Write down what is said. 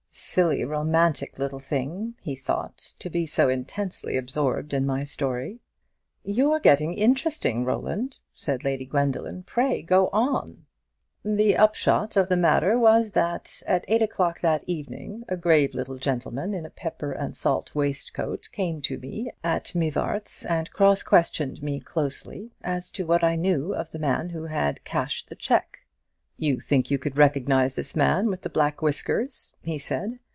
"Silly romantic little thing," he thought, "to be so intensely absorbed in my story." "You're getting interesting, Roland," said Lady Gwendoline. "Pray, go on." "The upshot of the matter was, that at eight o'clock that evening a grave little gentleman in a pepper and salt waistcoat came to me at Mivart's, and cross questioned me closely as to what I knew of the man who had cashed the cheque. 'You think you could recognize this man with the black whiskers?' he said.